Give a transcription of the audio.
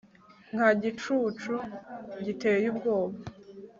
nka gicucu giteye ubwoba